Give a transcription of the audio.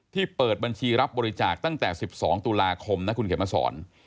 เปิดบัญชีรับบริจาคตั้งแต่๑๒ตุลาคมนะคุณเขียนมาสอน